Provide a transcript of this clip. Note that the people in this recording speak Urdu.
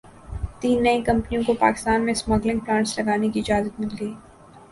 تین نئی کمپنیوں کو پاکستان میں اسمبلنگ پلانٹس لگانے کی اجازت مل گئی